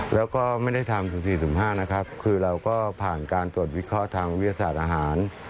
แล้วก็ไม่ได้ทำสุ่ม๔สุ่ม๕นะครับคือเราก็ผ่านการตรวจวิเคราะห์ทางวิทยาศาสตร์อาหาร